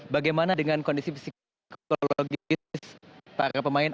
bagaimana dengan kondisi psikologis para pemain